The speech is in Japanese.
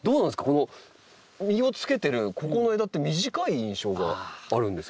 この実をつけてるここの枝って短い印象があるんですけど。